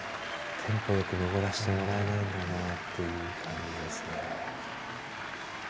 テンポよく登らせてもらえないんだなという感じですね。